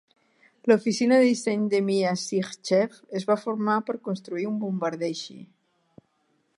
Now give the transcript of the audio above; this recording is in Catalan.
L'oficina de disseny de Myasishchev es va formar per construir un bombarder així.